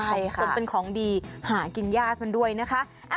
สมเป็นของดีหากินยากกันด้วยนะคะ